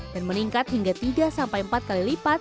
dan meningkat hingga tiga sampai empat kali lipat